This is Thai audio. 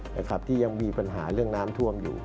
นะครับที่ยังมีปัญหาเรื่องน้ำท่วมอยู่